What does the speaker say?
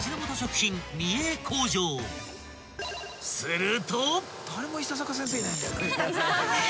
［すると］